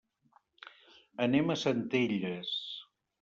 Anem a Centelles.